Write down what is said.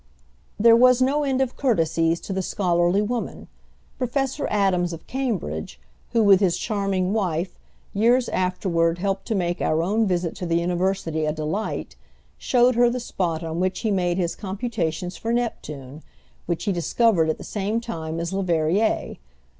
There was no end of courtesies to the scholarly woman. Professor Adams, of Cambridge, who, with his charming wife, years afterward helped to make our own visit to the University a delight, showed her the spot on which he made his computations for Neptune, which he discovered at the same time as Leverrier.